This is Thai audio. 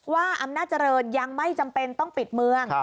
อำนาจเจริญยังไม่จำเป็นต้องปิดเมือง